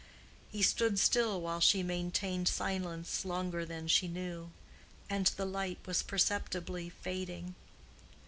He stood still while she maintained silence longer than she knew, and the light was perceptibly fading.